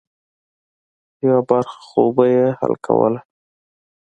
یوه برخه خو به یې حل کوله.